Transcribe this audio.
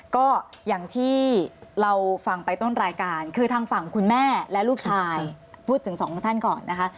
ก็อย่างที่เราฟังไปต้นรายการคือทางฝั่งคุณแม่และลูกชายพูดถึงสองท่านก่อนนะคะ